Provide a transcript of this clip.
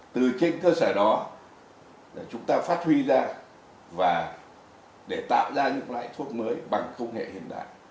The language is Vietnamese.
từ trên cơ sở đó là chúng ta phát huy ra và để tạo ra những loại thuốc mới bằng công nghệ hiện đại